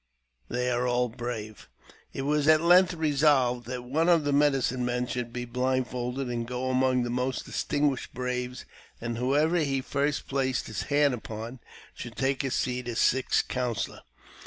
Thi are all brave." It was at length resolved that one of the medicine should be blindfolded, and go among the most distinguish braves, and whoever he first placed his hand upon should talfi his seat as sixth counsellor.